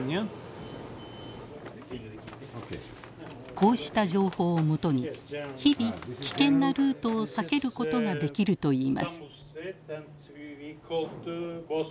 こうした情報をもとに日々危険なルートを避けることができるといいます。